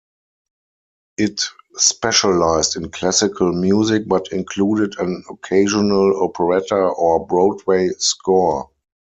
It specialised in classical music, but included an occasional operetta or Broadway score.